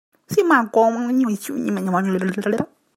他領悟力與平衡感很好